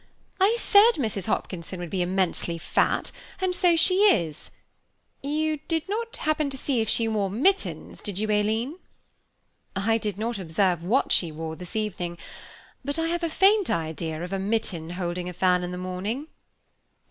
I said Mrs. Hopkinson would be immensely fat, and so she is; you did not happen to see if she wore mittens, did you, Aileen?" "I did not observe what she wore this evening; but I have a faint idea of a mitten holding a fan in the morning."